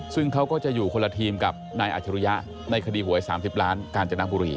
ซึ่งเขาก็จะอยู่คนละทีมกับนายอัจฉริยะในคดีหวย๓๐ล้านกาญจนบุรี